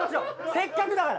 せっかくだから。